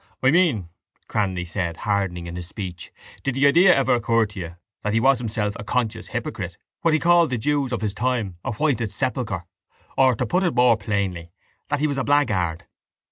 —I mean, Cranly said, hardening in his speech, did the idea ever occur to you that he was himself a conscious hypocrite, what he called the jews of his time, a whited sepulchre? Or, to put it more plainly, that he was a blackguard?